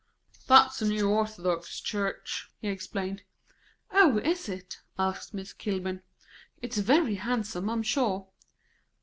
"That's the new Orthodox church," he explained. "Oh, is it?" asked Miss Kilburn. "It's very handsome, I'm sure."